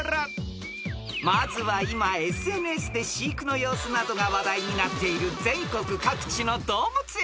［まずは今ＳＮＳで飼育の様子などが話題になっている全国各地の動物園から］